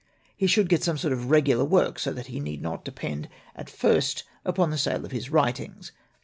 He should get some sort of regular work so that he need not depend at first upon the sale of his writings.